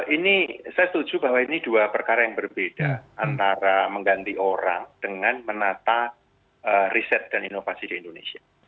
ini saya setuju bahwa ini dua perkara yang berbeda antara mengganti orang dengan menata riset dan inovasi di indonesia